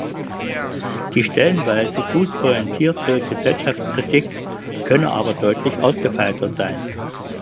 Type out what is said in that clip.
Die stellenweise gut pointierte Gesellschaftskritik könne aber deutlich ausgefeilter sein.